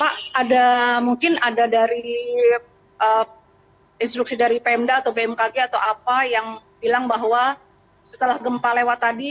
pak ada mungkin ada dari instruksi dari pemda atau bmkg atau apa yang bilang bahwa setelah gempa lewat tadi